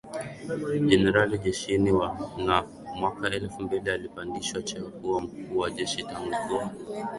jenerali jeshini na mwaka elfu mbili alipandishwa cheo kuwa mkuu wa jeshiTangu kuwa